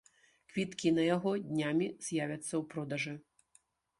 Квіткі на яго днямі з'явяцца ў продажы.